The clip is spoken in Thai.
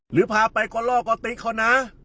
หรือพาไปก็ล่อก็ติ๊กเขานะ